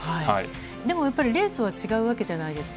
でもやっぱり、レースは違うわけじゃないですか。